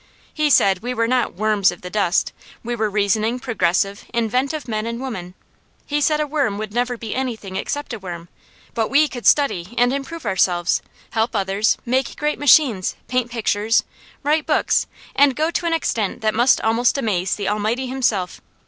He said we were not "worms of the dust"; we were reasoning, progressive, inventive men and women. He said a worm would never be anything except a worm, but we could study and improve ourselves, help others, make great machines, paint pictures, write books, and go to an extent that must almost amaze the Almighty Himself.